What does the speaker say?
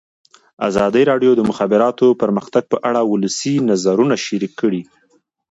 ازادي راډیو د د مخابراتو پرمختګ په اړه د ولسي جرګې نظرونه شریک کړي.